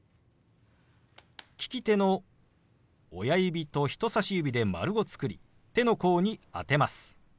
利き手の親指と人さし指で丸を作り手の甲に当てます。